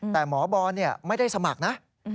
แต่หมอบอลไม่ได้สมัครนะ